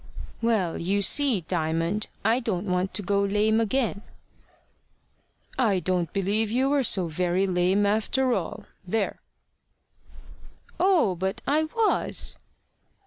"Well, you see, Diamond, I don't want to go lame again." "I don't believe you were so very lame after all there!" "Oh, but I was."